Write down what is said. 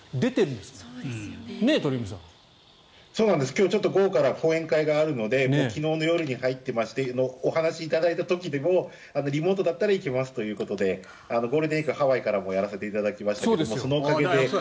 今日、午後から講演会があるので昨日の夜から入っていてお話頂いた時もリモートだったら行きますということでゴールデンウィークハワイからもやらせていただきましたが。